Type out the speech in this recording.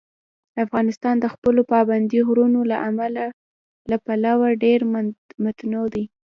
افغانستان د خپلو پابندي غرونو له پلوه ډېر متنوع دی.